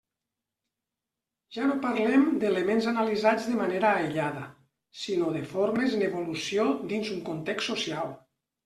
Ja no parlem d'elements analitzats de manera aïllada, sinó de formes en evolució dins un context social.